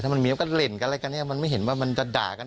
มันมีมันก็เล่นกันอะไรกันเนี่ยมันไม่เห็นว่ามันจะด่ากัน